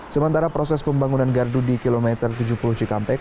sementara proses pembangunan gardu di kilometer tujuh puluh cikampek